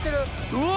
うわ！